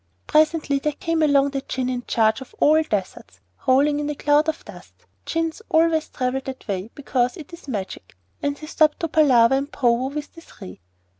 Presently there came along the Djinn in charge of All Deserts, rolling in a cloud of dust (Djinns always travel that way because it is Magic), and he stopped to palaver and pow pow with the Three.